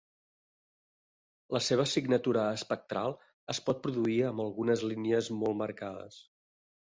La seva signatura espectral es pot produir amb algunes línies molt marcades.